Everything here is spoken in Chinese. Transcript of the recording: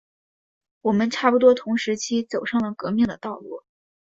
我们差不多同时期走上了革命的道路。